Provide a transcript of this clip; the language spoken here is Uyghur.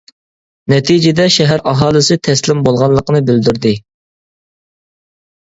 نەتىجىدە شەھەر ئاھالىسى تەسلىم بولغانلىقىنى بىلدۈردى.